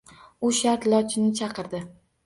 U shart Lochinni chaqirdi.